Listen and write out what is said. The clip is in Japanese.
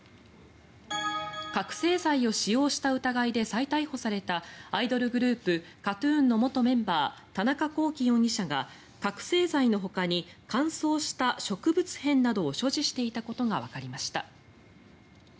覚醒剤を使用した疑いで再逮捕されたアイドルグループＫＡＴ−ＴＵＮの元メンバー田中聖容疑者が覚醒剤のほかに乾燥した植物片などを所持していたことがわかりました。